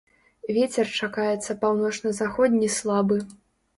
Вецер чакаецца паўночна-заходні слабы.